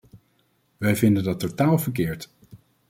Wij vinden dat totaal verkeerd.